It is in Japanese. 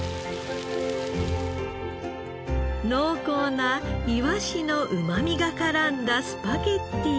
濃厚ないわしのうまみが絡んだスパゲティ。